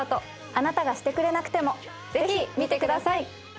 『あなたがしてくれなくても』ぜひ見てください。